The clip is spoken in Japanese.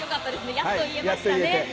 やっと言えましたね。